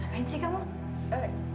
hah apa yang kamu lakukan